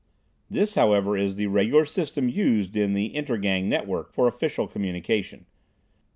This, however, is the regular system used in the Inter Gang network for official communication.